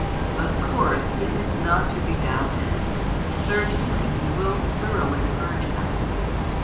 Of course it is not to be doubted: certainly He will thoroughly purge him.